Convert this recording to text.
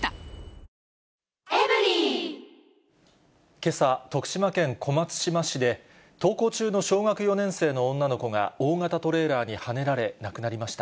けさ、徳島県小松島市で、登校中の小学４年生の女の子が大型トレーラーにはねられ、亡くなりました。